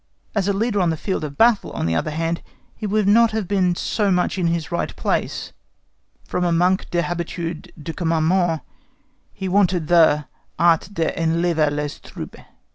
As a leader on the field of battle, on the other hand, he would not have been so much in his right place, from a manque d'habitude du commandement, he wanted the art d'enlever les troupes."